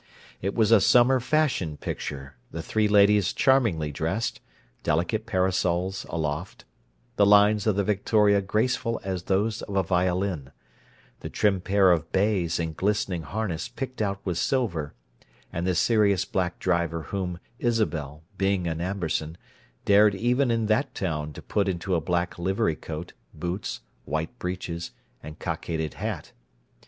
It was a summer fashion picture: the three ladies charmingly dressed, delicate parasols aloft; the lines of the victoria graceful as those of a violin; the trim pair of bays in glistening harness picked out with silver, and the serious black driver whom Isabel, being an Amberson, dared even in that town to put into a black livery coat, boots, white breeches, and cockaded hat.